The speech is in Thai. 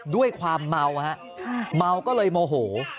ด้วยความเมามัวก็เลยโมโห